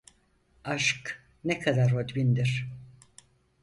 Aşk ne kadar hodbindir!